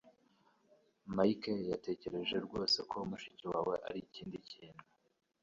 Mike yatekereje rwose ko mushiki wawe arikindi kintu